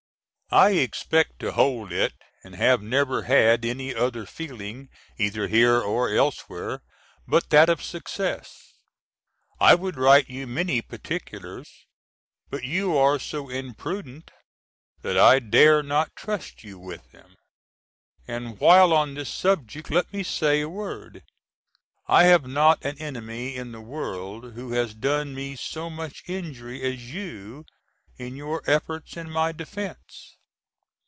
I expect to hold it and have never had any other feeling either here or elsewhere but that of success. I would write you many particulars but you are so imprudent that I dare not trust you with them; and while on this subject let me say a word. I have not an enemy in the world who has done me so much injury as you in your efforts in my defence.